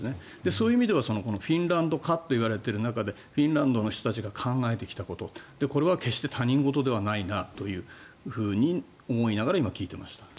そういう意味ではこのフィンランド化と言われている中でフィンランドの人たちが考えてきたことこれは決して他人事ではないなと思いながら今、聞いていました。